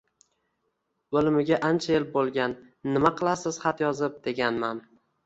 o’lmiga ancha yil bo’lgan, nima qilasiz xat yozib, deganman.